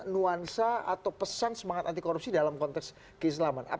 nuansa atau pesan semangat anti korupsi dalam konteks keislaman